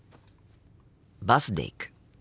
バスで行く。